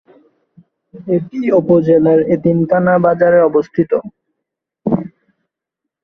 এটি উপজেলার এতিমখানা বাজারে অবস্থিত।